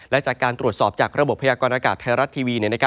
และจากการตรวจสอบจากระบบพยากรณากาศไทยรัฐทีวี